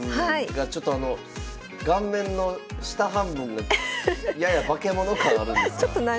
がちょっとあの顔面の下半分がやや化け物感あるんですが。